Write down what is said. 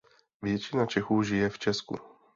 Většina Čechů žije v Česku.